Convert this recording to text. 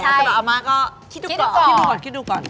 แต่เราเอามาก็คิดดูก่อน